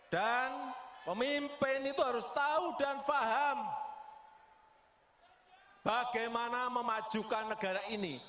dan pemimpin itu harus tahu dan paham bagaimana memajukan negara ini